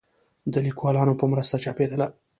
د ليکوالانو په مرسته چاپېدله